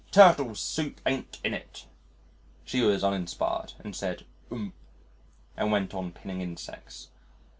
Turtle Soup ain't in it." She was uninspired, and said, "Oom," and went on pinning insects.